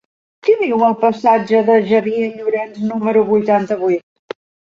Qui viu al passatge de Xavier Llorens número vuitanta-vuit?